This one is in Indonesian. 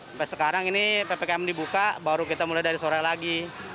sampai sekarang ini ppkm dibuka baru kita mulai dari sore lagi